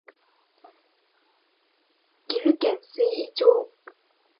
岐阜県垂井町